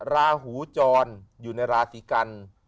ลาหูจรอยู่ในลาศรีกัณฑ์